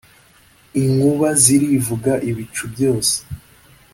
Inkuba zirivuga ibicu byose,